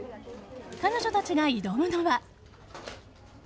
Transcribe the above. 彼女たちが挑むのは。